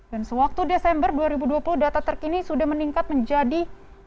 dan sewaktu desember dua ribu dua puluh data terkini sudah meningkat menjadi tiga puluh tujuh